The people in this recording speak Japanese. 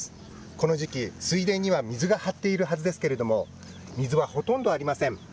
この時期、水田には水がはっているはずですけれども、水はほとんどありません。